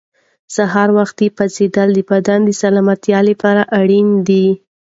هر سهار وختي پاڅېدل د بدن د سلامتیا لپاره اړین دي.